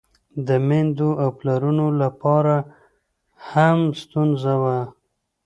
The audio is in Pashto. د میندو او پلرونو له پاره هم ستونزه وه.